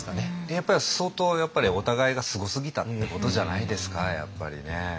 やっぱり相当お互いがすごすぎたってことじゃないですかやっぱりね。